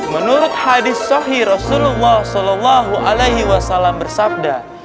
menurut hadis sohi rasulullah saw bersabda